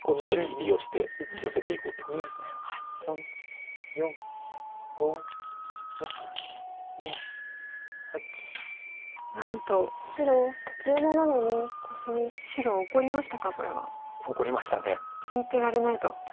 利いてられないと。